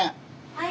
はい？